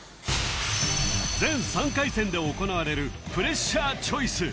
全３回戦で行われるプレッシャーチョイス